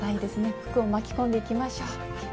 福を巻き込んでいきましょう。